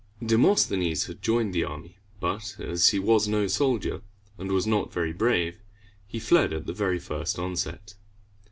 Demosthenes had joined the army; but as he was no soldier, and was not very brave, he fled at the very first onset.